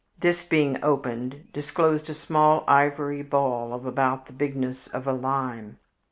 This being opened, disclosed a small ivory ball of about the bigness of a lime.